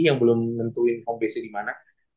yang belum nentuin home base nya dimana